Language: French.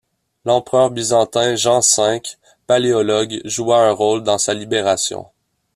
L’Empereur byzantin Jean V Paléologue joua un rôle dans sa libération.